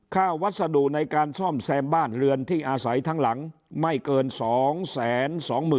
วัสดุในการซ่อมแซมบ้านเรือนที่อาศัยทั้งหลังไม่เกิน๒๒๐๐๐